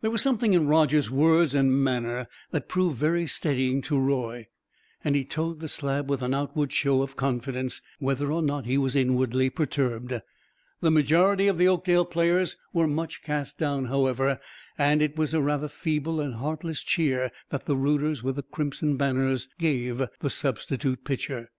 There was something in Roger's words and manner that proved very steadying to Roy, and he toed the slab with an outward show of confidence, whether or not he was inwardly perturbed. The majority of the Oakdale players were much cast down, however, and it was a rather feeble and heartless cheer that the rooters with the crimson banners gave the substitute pitcher.